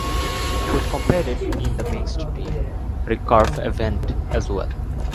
Both competed in the mixed team recurve event as well.